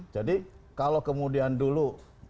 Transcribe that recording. jadi kalau kemudian dulu